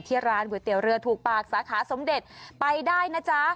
ร้านก๋วยเตี๋ยวเรือถูกปากสาขาสมเด็จไปได้นะจ๊ะ